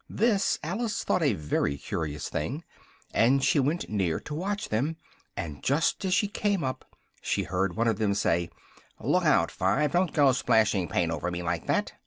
This Alice thought a very curious thing, and she went near to watch them, and just as she came up she heard one of them say "look out, Five! Don't go splashing paint over me like that!"